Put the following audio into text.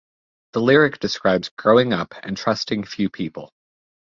The lyric describes growing up and trusting few people.